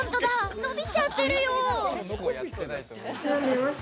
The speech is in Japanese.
伸びちゃってるよ。